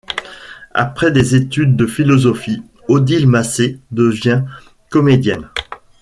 Après des études de philosophie, Odile Massé devient comédienne.